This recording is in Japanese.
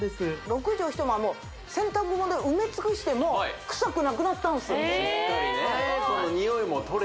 六畳一間も洗濯物で埋め尽くしても臭くなくなったんです